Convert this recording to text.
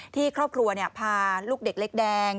ที่ครอบครัวพาลูกเด็กเล็กแดง